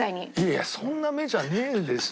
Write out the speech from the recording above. いやそんな目じゃねえですよ。